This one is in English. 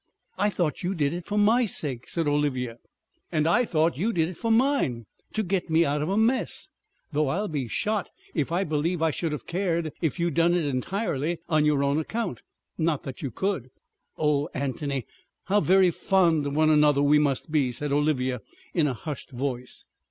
"I thought you did it for my sake," said Olivia. "I thought you did it for mine to get me out of a mess. Though I'll be shot if I believe I should have cared if you'd done it entirely on your own account. Not that you could." "Oh, Antony, how very fond of one another we must be!" said Olivia in a hushed voice.